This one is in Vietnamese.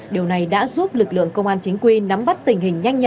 điều này đã giúp lực lượng công an chính quy nắm bắt tình hình nhanh nhà